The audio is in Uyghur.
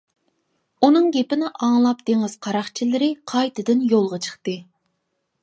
ئۇنىڭ گېپىنى ئاڭلاپ دېڭىز قاراقچىلىرى قايتىدىن يولغا چىقتى.